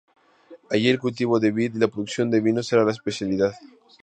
Allí el cultivo de vid y la producción de vinos eran la especialidad.